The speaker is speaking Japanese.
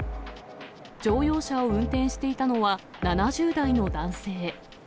乗用車を運転していたのは７０代の男性。